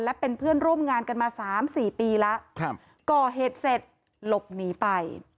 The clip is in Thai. และเป็นเพื่อนร่วมงานกันมาสามสี่ปีแล้วครับก่อเหตุเสร็จหลบหนีไป